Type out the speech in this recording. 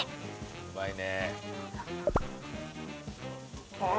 うまいね。